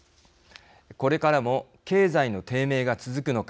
これからも経済の低迷が続くのか。